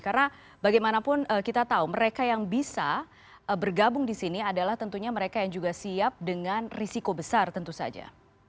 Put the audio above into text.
karena bagaimanapun kita tahu mereka yang bisa bergabung di sini adalah tentunya mereka yang juga siap dengan risiko besar tentu saja